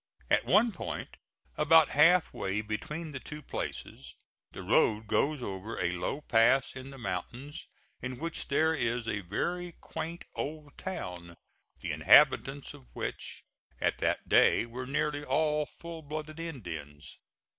At one point, about half way between the two places, the road goes over a low pass in the mountains in which there is a very quaint old town, the inhabitants of which at that day were nearly all full blooded Indians.